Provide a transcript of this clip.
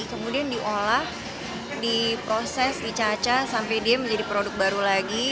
kemudian diolah diproses dicaca sampai dia menjadi produk baru lagi